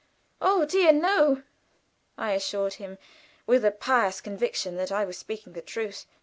"Oh, dear no!" I assured him, with a pious conviction that I was speaking the truth.